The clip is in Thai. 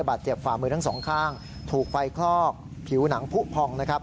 บาดเจ็บฝ่ามือทั้ง๒ข้างถูกไฟคลอกผิวหนังผู้พ่อง